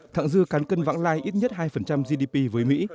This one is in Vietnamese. thẳng dư cán cân vãng lai ít nhất hai gdp với mỹ